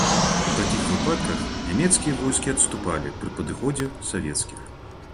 У такіх выпадках нямецкія войскі адступалі пры падыходзе савецкіх.